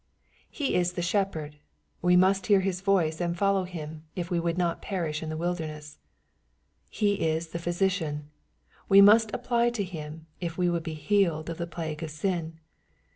He is the Shepherd : we must hear His voice, and follow Him, if we would not perish in the wilderness. He is the Physician : we must apply to Him, if we would be healed of the plague of sin.